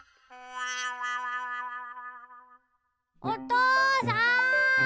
おとうさん！